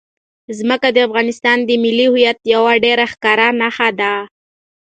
ځمکه د افغانستان د ملي هویت یوه ډېره ښکاره نښه ده.